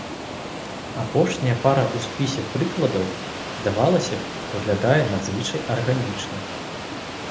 Апошняя пара ў спісе прыкладаў, здавалася б, выглядае надзвычай арганічна.